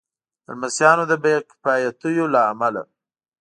د لمسیانو د بې کفایتیو له امله.